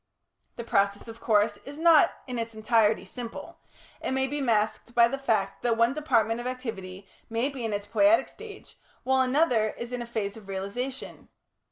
The process, of course, is not in its entirety simple; it may be masked by the fact that one department of activity may be in its poietic stage, while another is in a phase of realisation.